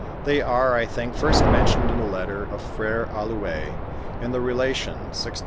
They or^ I think, first mentioned in a letter of F Alloue^i; in the Relation 1665 '67.